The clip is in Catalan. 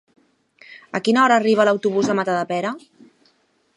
A quina hora arriba l'autobús de Matadepera?